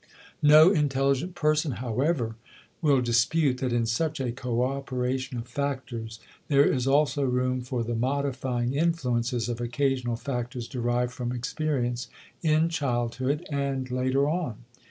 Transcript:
No intelligent person, however, will dispute that in such a coöperation of factors there is also room for the modifying influences of occasional factors derived from experience in childhood and later on.